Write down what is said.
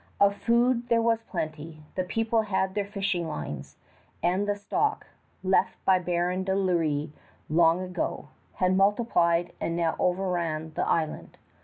Of food there was plenty. The people had their fishing lines; and the stock, left by the Baron de Lery long ago, had multiplied and now overran the island.